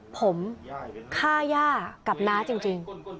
ผมฆ่าญาติกับน้าจริง